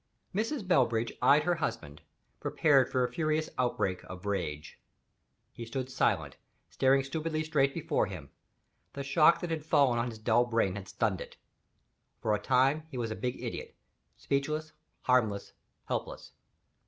Mrs. Bellbridge eyed her husband, prepared for a furious outbreak of rage. He stood silent, staring stupidly straight before him. The shock that had fallen on his dull brain had stunned it. For the time, he was a big idiot speechless, harmless, helpless.